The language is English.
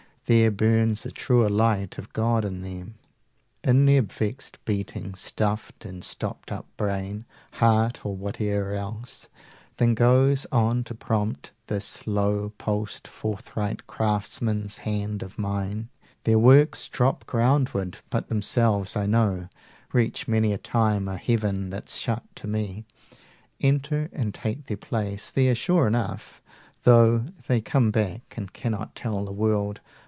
There burns a truer light of God in them, In their vexed beating stuffed and stopped up brain, 80 Heart, or whate'er else, than goes on to prompt This low pulsed forthright craftsman's hand of mine. Their works drop groundward, but themselves, I know, Reach many a time a heaven that's shut to me, Enter and take their place there sure enough, 85 Though they come back and cannot tell the world.